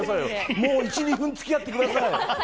もう１２分付き合ってください。